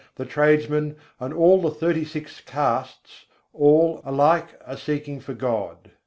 the tradesman, and all the thirty six castes, alike are seeking for God.